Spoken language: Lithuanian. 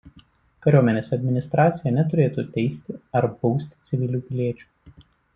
Kariuomenės administracija neturėtų teisti ar bausti civilinių piliečių.